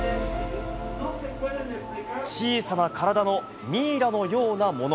小さな体のミイラのようなもの。